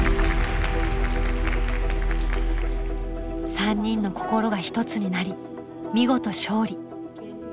３人の心が一つになり見事勝利。